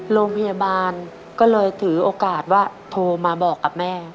โรงพยาบาลก็เลยถือโอกาสว่าโทรมาบอกกับแม่